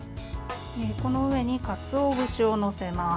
この上にかつお節を載せます。